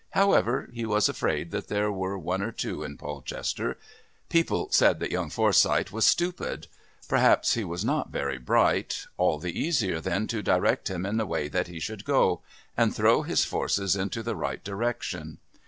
However, he was afraid that there were one or two in Polchester.... People said that young Forsyth was stupid! Perhaps he was not very bright; all the easier then to direct him in the way that he should go, and throw his forces into the right direction.